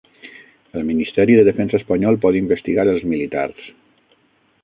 El Ministeri de Defensa espanyol pot investigar els militars